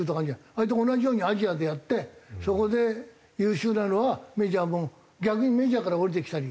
あれと同じようにアジアでやってそこで優秀なのはメジャーも逆にメジャーから下りてきたり。